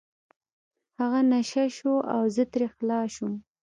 هغه نشه شو او زه ترې خلاص شوم.